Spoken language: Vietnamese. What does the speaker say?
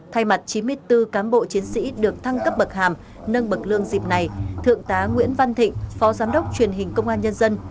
thay mặt chín mươi bốn cán bộ chiến sĩ được thăng cấp bậc hàm nâng bậc lương dịp này thượng tá nguyễn văn thịnh phó giám đốc truyền hình công an nhân dân